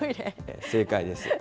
正解です。